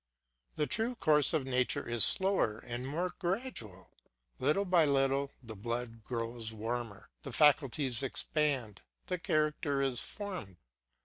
The true course of nature is slower and more gradual. Little by little the blood grows warmer, the faculties expand, the character is formed.